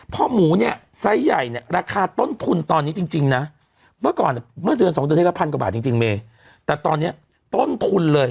เพราะหมูเนี้ยไซส์ใหญ่เนี้ยราคาต้นทุนตอนนี้จริงจริงนะเมื่อก่อนเนี้ยเมื่อเจือนสองเดือนเท่ากว่าพันกว่าบาทจริงจริงเมตตะตอนเนี้ยต้นทุนเลย